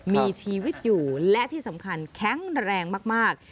มีชีวิตอยู่และที่สำคัญแข็งแรงมาก